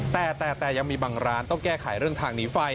แต่แต่ยังมีบางร้านต้องแก้ไขเรื่องทางหนีไฟ